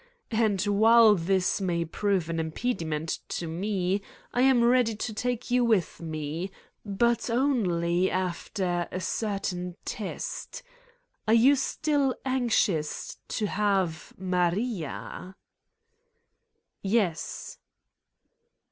And while this may prove an impediment to me, I am ready to take you with me, but only after a certain test. Are you still anxious to have ... Maria !" "Yes."